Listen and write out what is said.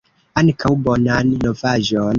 Ankaŭ! Bonan novaĵon!